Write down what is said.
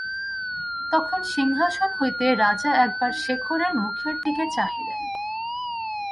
তখন সিংহাসন হইতে রাজা একবার শেখরের মুখের দিকে চাহিলেন।